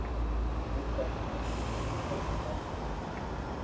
ايڪ ڪمرا مي مارا ماتا پيتا رھي ھي